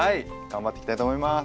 頑張っていきたいと思います。